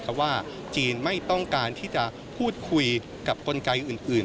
เพราะว่าจีนไม่ต้องการที่จะพูดคุยกับกลไกอื่น